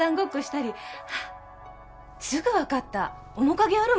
あっすぐ分かった面影あるもん。